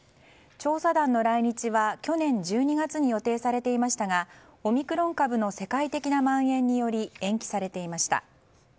調査団の来日は去年１２月に予定されていましたがオミクロン株の世界的なまん延により延期されていました。